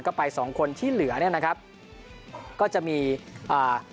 ก็ไปสองคนที่เหลือเนี้ยนะครับก็จะมีอ่า